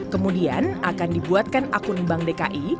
kemudian akan dibuatkan akun bank dki